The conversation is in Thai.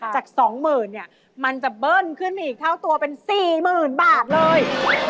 จากสองหมื่นเนี่ยมันจะเบิ้ลขึ้นไปอีกเท่าตัวเป็นสี่หมื่นบาทเลย